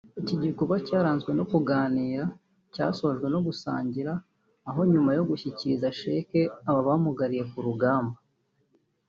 Iki gikorwa cyaranzwe no kuganira cyasojwe no gusangira aho nyuma yo gushyikiriza sheke aba bamugariye ku rugamba